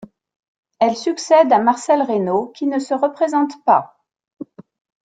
Elle succède à Marcel Rainaud qui ne se représente pas.